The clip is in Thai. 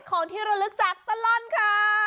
ของที่ละลึกจากตล่อนค่ะ